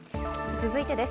続いてです。